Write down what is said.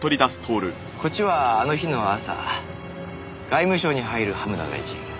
こっちはあの日の朝外務省に入る葉村大臣。